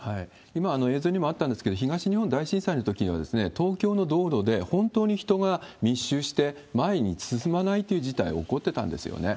今、映像にもあったんですけれども、東日本大震災のときは、東京の道路で、本当に人が密集して前に進まないという事態、起こってたんですよね。